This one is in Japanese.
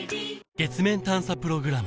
月面探査プログラム